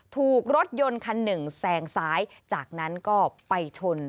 ถูกรถยนต์คันหนึ่งแซงซ้ายจากนั้นก็ไปชน